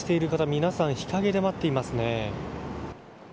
皆さん、日陰で待っていますね。